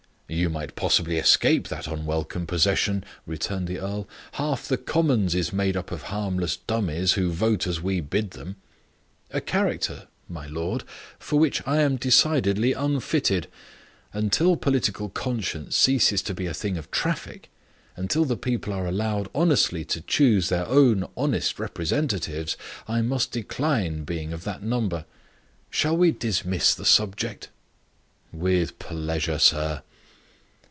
"You might possibly escape that unwelcome possession," returned the earl. "Half the House of Commons is made up of harmless dummies, who vote as we bid them." "A character, my lord, for which I am decidedly unfitted. Until political conscience ceases to be a thing of traffic, until the people are allowed honestly to choose their own honest representatives, I must decline being of that number. Shall we dismiss the subject?" "With pleasure, sir."